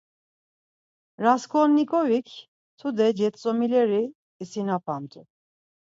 Rasǩolnikovik tude cetzomileri isinapamt̆u.